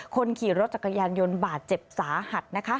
คนขี่รถจักรยานยนต์บาดเจ็บสาหัสนะคะ